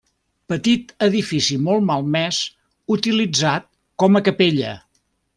Petit edifici molt malmès, utilitzat com a capella.